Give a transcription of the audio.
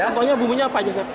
contohnya bumbunya apa aja chef